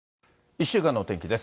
１週間のお天気です。